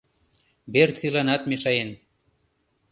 Берциланат мешаен.